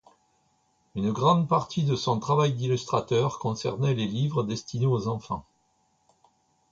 Une grande partie de son travail d'illustrateur concernait les livres destinés aux enfants.